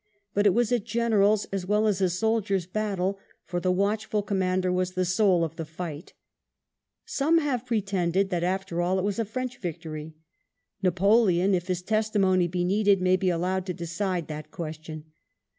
But it was a general's as well as a soldier's battle, for the watchful commander was the soul of the fight Some have pretended that, after all, it was a French victory. Napoleon, if his testimony be needed, may be allowed to decide that question.